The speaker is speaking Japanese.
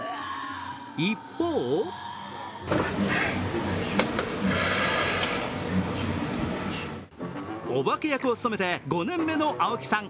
一方お化け役を努めて５年目の青木さん。